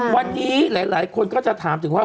วันนี้หลายคนก็จะถามถึงว่า